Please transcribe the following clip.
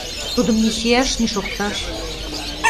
Тудым ни чияш, ни шокташ.